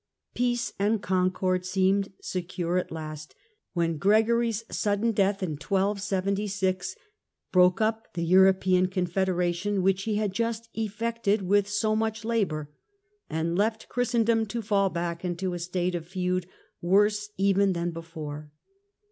Peace and concord seemed secure at last, Death of when Gregory's sudden death broke up the European xl^_^i27G confederation, which he had just effected with so much labour, and left Christendom to fall back into a state of feud worse even than before.